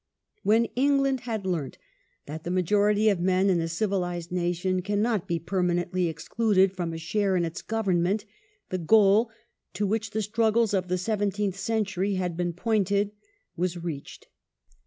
When England had learnt that the majority of men in a civilized nation cannot be permanently excluded from a share in its government, the goal, to which the struggles of the seventeenth century had been pointed, was reached.